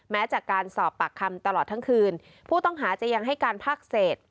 แม้จากการสอบปากคำตลอดทั้งคืนผู้ต้องหาจะยังให้การภาคเศษ